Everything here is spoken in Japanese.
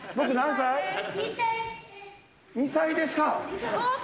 ２歳です。